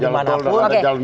ada jalan tol ada jalan jalan